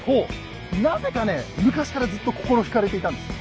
なぜかね昔からずっと心惹かれていたんです。